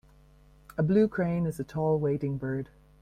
A blue crane is a tall wading bird.